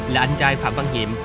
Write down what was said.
là anh trai phạm văn nhiệm